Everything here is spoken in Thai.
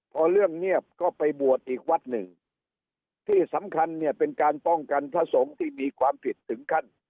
พอเรื่องเงียบก็ไปบวชอีกวัดหนึ่งที่สำคัญเนี่ยเป็นการป้องกันพระสงฆ์ที่มีความผิดถึงขั้น